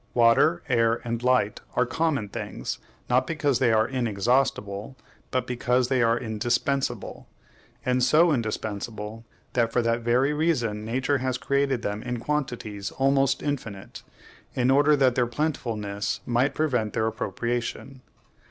Water, air, and light are COMMON things, not because they are INEXHAUSTIBLE, but because they are INDISPENSABLE; and so indispensable that for that very reason Nature has created them in quantities almost infinite, in order that their plentifulness might prevent their appropriation.